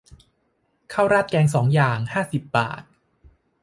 ข้าวราดแกงสองอย่าง ห้าสิบบาท